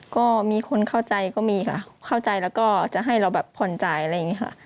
ก็มีคนเข้าใจก็มีค่ะเข้าใจแล้วก็จะให้เราแบบผ่อนจ่ายอะไรอย่างนี้ค่ะ